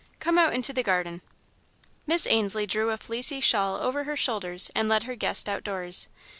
"Come out into the garden." Miss Ainslie drew a fleecy shawl over her shoulders and led her guest outdoors.